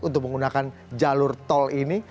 untuk menggunakan jalur tol ini